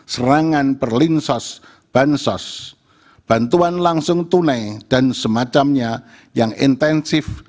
serangan berlinsos bansos bantuan langsung tunai dan semacamnya yang intensif